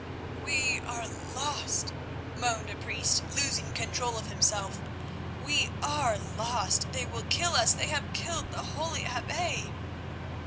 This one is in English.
"We are lost," moaned a priest, losing control of himself. "We are lost. They will kill us as they have killed the holy Abbe."